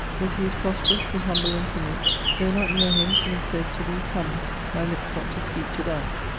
If he is prospe rous, be humble and timid ; go not near him till he says to thee> come, my hps want to speak to thine.